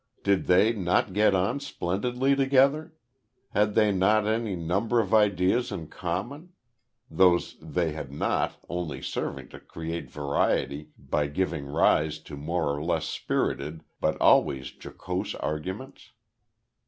Did they not get on splendidly together? Had they not any number of ideas in common those they had not, only serving to create variety by giving rise to more or less spirited but always jocose arguments?